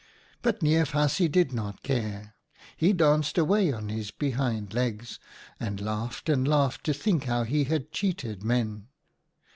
"But Neef Haasje did not care. He danced away on his behind legs, and laughed and laughed to think how he had cheated Men.